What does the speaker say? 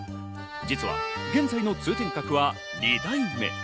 実は現在の通天閣は２代目。